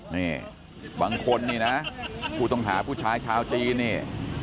นี่บางคนนี่นะผู้ต้องหาผู้ชายชาวจีนนี่